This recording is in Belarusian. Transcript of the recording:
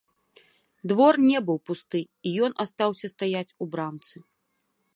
Двор не быў пусты, і ён астаўся стаяць у брамцы.